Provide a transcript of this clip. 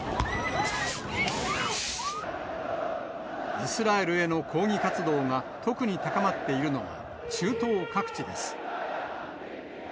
イスラエルへの抗議活動が特に高まっているのが中東各地です。